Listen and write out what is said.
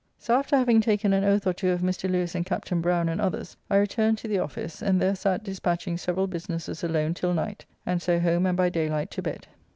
So after having taken an oath or two of Mr. Lewes and Captain Brown and others I returned to the office, and there sat despatching several businesses alone till night, and so home and by daylight to bed.